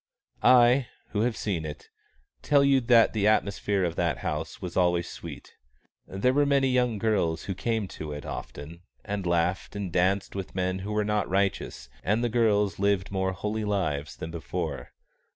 I, who have seen it, tell you that the atmosphere of that house was always sweet. There were many young girls who came to it often, and laughed and danced with men who were not righteous, and the girls lived more holy lives than before.